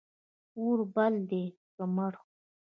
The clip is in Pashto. اور بل دی که مړ